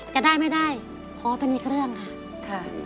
จะได้ไม่ได้เพราะว่าเป็นอีกเรื่องค่ะ